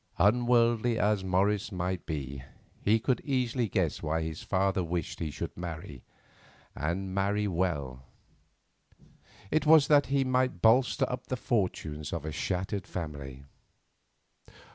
Unworldly as Morris might be, he could easily guess why his father wished that he should marry, and marry well. It was that he might bolster up the fortunes of a shattered family.